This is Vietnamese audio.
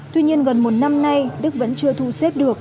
tuy nhiên gần một năm nay đức vẫn chưa thu xếp được